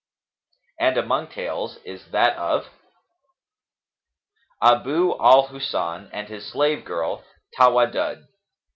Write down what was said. And among tales is that of ABU AL HUSN AND HIS SLAVE GIRL TAWADDUD.